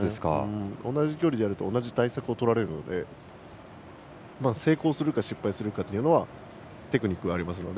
同じ距離でやると同じ対策をとられるので成功するか失敗するかはテクニックはありますので。